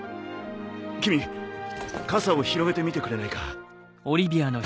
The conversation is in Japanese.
君傘を広げてみてくれないか。